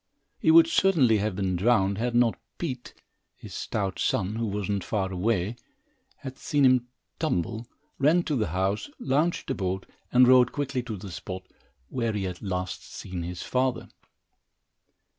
He would certainly have been drowned, had not Pete, his stout son, who was not far away, and had seen the tumble, ran to the house, launched a boat and rowed quickly to the spot, where he had last seen his father.